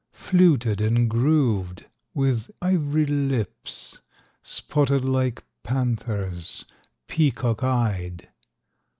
Fluted and grooved, with iv'ry lips, Spotted like panthers, peacock eyed!